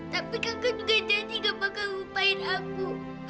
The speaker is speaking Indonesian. tapi kakak juga janji gak bakal lupain aku